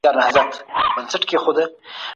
غازي امان الله خان ښځو ته د برابر حقونو تضمین ورکړ.